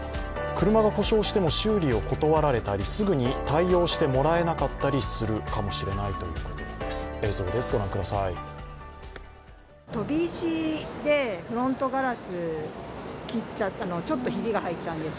車が故障しても修理を断られたり、すぐに対応してもらえなかったりするかもしれないということなんです。